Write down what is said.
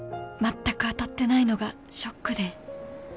まったく当たってないのがショックで。